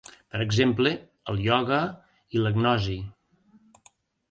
Per exemple, el ioga o la gnosi.